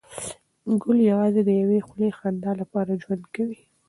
ګل یوازې د یوې خولې خندا لپاره ژوند کوي.